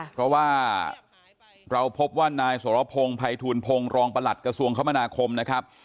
เพราะว่าเราพบว่านายสรพงศ์ภัยทูลพงศ์รองประหลัดกระทรวงคมนาคมนะครับ